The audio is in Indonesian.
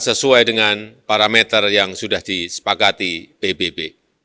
sesuai dengan parameter yang sudah disepakati pbb